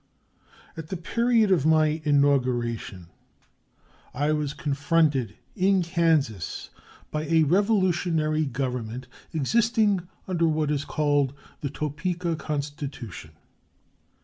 At the period of my inauguration I was confronted in Kansas by a revolutionary government existing under what is called the "Topeka constitution."